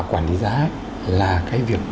quản lý giá là cái việc